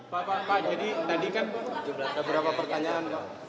pak pak pak jadi tadi kan ada beberapa pertanyaan pak